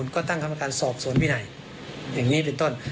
ก็ตั้งจะควรสอบสวนที่ไหนอย่างนี้เป็นต้น